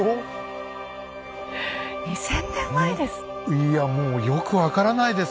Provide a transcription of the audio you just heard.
いやもうよく分からないです